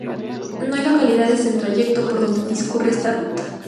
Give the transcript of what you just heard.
No hay localidades en el trayecto por donde discurre esta ruta.